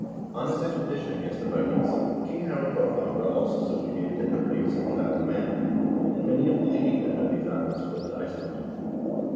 2 On his expedition against the Vikings, King Harald Haarfagre also subjugated the Hebrides and the Isle of Man, and many of the leading men of these islands fled to Iceland.